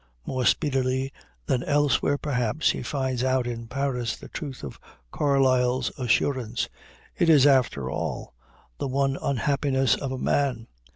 More speedily than elsewhere perhaps, he finds out in Paris the truth of Carlyle's assurance: "It is, after all, the one unhappiness of a man.